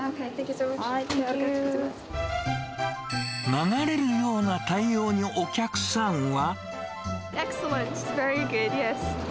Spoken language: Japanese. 流れるような対応にお客さんは。